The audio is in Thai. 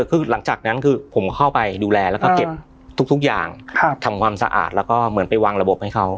คือหลังจากนั้นคือผมเข้าไปดูแลแล้วก็เก็บทุกอย่างทำความสะอาดแล้วก็เหมือนไปวางระบบให้เขา